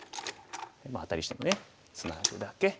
まあアタリしてもねツナぐだけ。